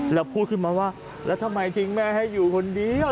แล้วพูดขึ้นมาว่าแล้วทำไมทิ้งแม่ให้อยู่คนเดียว